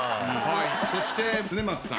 そして恒松さん